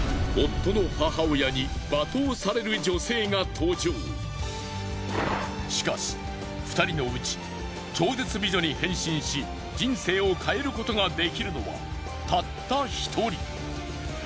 更にしかし２人のうち超絶美女に変身し人生を変えることができるのはたった一人。